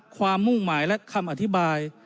มุ่งหมายและคำอธิบาย